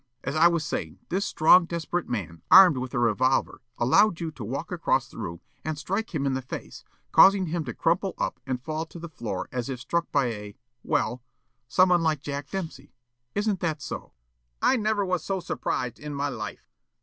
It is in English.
As I was saying, this strong, desperate man, armed with a revolver, allowed you to walk across the room and strike him in the face, causing him to crumple up and fall to the floor as if struck by a well, someone like Jack Dempsey. Isn't that so?" Yollop: "I never was so surprised in my life."